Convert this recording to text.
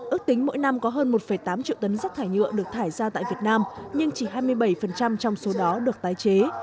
ước tính mỗi năm có hơn một tám triệu tấn rác thải nhựa được thải ra tại việt nam nhưng chỉ hai mươi bảy trong số đó được tái chế